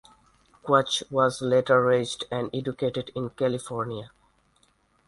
Quach was later raised and educated in California.